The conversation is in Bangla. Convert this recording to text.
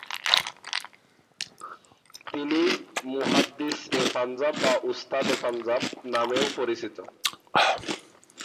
তিনি "মুহাদ্দিস-ই-পাঞ্জাব" বা "ওস্তাদ-ই-পাঞ্জাব" নামেও পরিচিত।